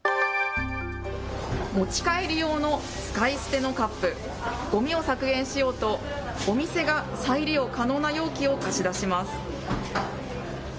持ち帰り用の使い捨てのカップ、ごみを削減しようとお店が再利用可能なカップを貸し出します。